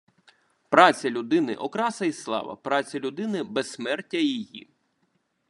Праця людини – окраса і слава, праця людини – безсмертя її